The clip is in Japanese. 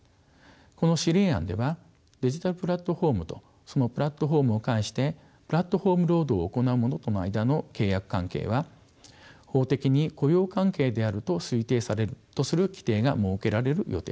この指令案ではデジタルプラットフォームとそのプラットフォームを介してプラットフォーム労働を行う者との間の契約関係は法的に雇用関係であると推定されるとする規定が設けられる予定です。